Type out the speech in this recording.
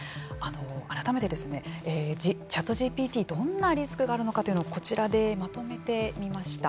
改めてですねＣｈａｔＧＰＴどんなリスクがあるのかこちらでまとめてみました。